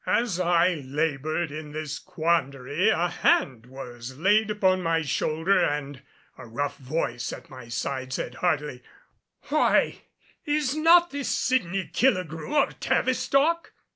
As I labored in this quandary, a hand was laid upon my shoulder and a rough voice at my side said heartily, "Why, is not this Sydney Killigrew of Tavistock?"